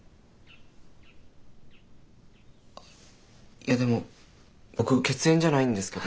いやでも僕血縁じゃないんですけど。